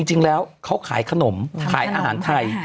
จริงแล้วเขาขายขนมขายอาหารไทย